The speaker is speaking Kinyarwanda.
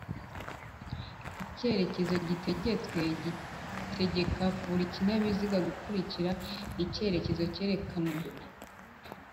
Icyerekezo gitegetswe gitegeka buri kinyabiziga gukurikira ikerekezo kerekanywe